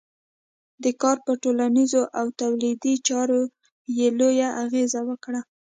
دا کار پر ټولنیزو او تولیدي چارو یې لوی اغېز وکړ.